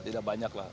tidak banyak lah